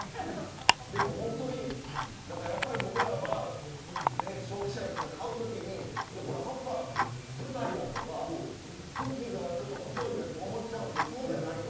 でもホントにだからやっぱり僕らは消費者ですから買う時に「いやこれ葉っぱ少ないやん」とか「茎がちょっと細いやん」と思っちゃうんですけどそうじゃないと？